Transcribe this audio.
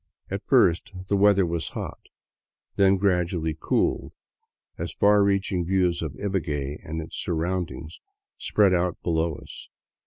At first the weather was hot, then gradually cooled as far reaching views of Ibague and its surroundings spread out below us.